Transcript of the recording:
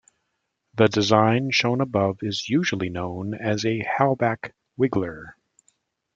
The design shown above is usually known as a Halbach wiggler.